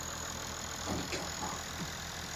Panik yapma.